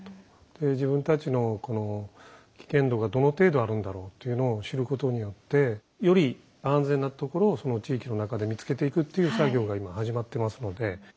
で自分たちのこの危険度がどの程度あるんだろうというのを知ることによってより安全なところをその地域の中で見つけていくっていう作業が今始まってますので。